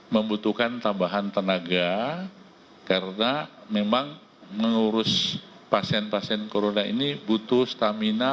membutuhkan tambahan tenaga karena memang mengurus pasien pasien corona ini butuh stamina